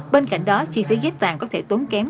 bên cạnh đó chi phí ghép vàng có thể tốn kém